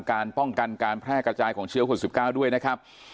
การป้องกันการแพร่กระจายของเชื้อคน๑๙ด้วยนะครับ